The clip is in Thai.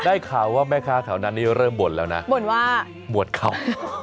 ได้ข่าวว่าแม่ค้าแถวนั้นนี่เริ่มบ่นแล้วนะบ่นว่าบวชเขา